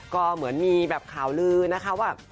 ก็เหมือนมีแบบข่าวลือนะคะว่า